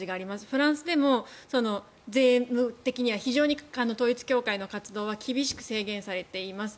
フランスでも税務的には非常に統一教会の活動は厳しく制限されています。